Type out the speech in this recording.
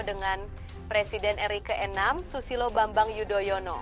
dengan presiden ri ke enam susilo bambang yudhoyono